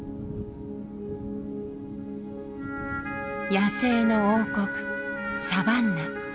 野生の王国サバンナ。